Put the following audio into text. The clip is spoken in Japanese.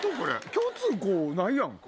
共通項ないやんか。